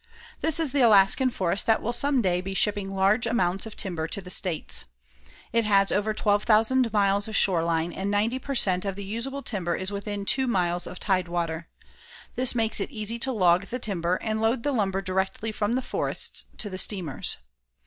This is the Alaskan forest that will some day be shipping large amounts of timber to the States. It has over 12,000 miles of shore line and ninety per cent. of the usable timber is within two miles of tidewater. This makes it easy to log the timber and load the lumber directly from the forests to the steamers.